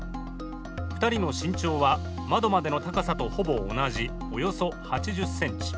２人の身長は窓までの高さとほぼ同じ、およそ８０ｃｍ。